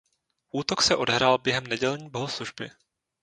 Útok se odehrál během nedělní bohoslužby.